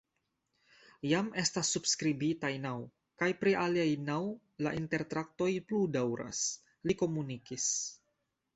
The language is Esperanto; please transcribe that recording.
Jam estas subskribitaj naŭ, kaj pri aliaj naŭ la intertraktoj plu daŭras, li komunikis.